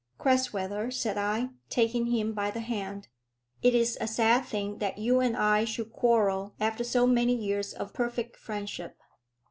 "Crasweller," said I, taking him by the hand, "it is a sad thing that you and I should quarrel after so many years of perfect friendship."